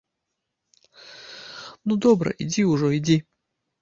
Ну, добра, ідзі ўжо, ідзі!